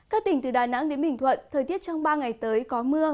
các tỉnh từ đà nẵng đến bình thuận thời tiết trong ba ngày tới có mưa